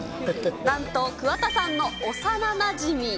なんと桑田さんの幼なじみ。